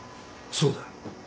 そうだ。